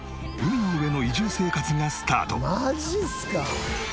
マジっすか？